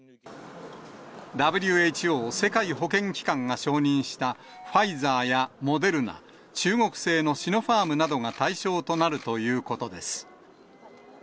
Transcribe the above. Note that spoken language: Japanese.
ＷＨＯ・世界保健機関が承認したファイザーやモデルナ、中国製のシノファームなどが対象となるということです。